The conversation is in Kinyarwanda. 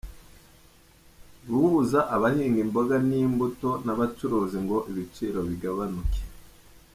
Guhuza abahinga imboga n’imbuto n’abacuruzi ngo ibiciro bigabanuke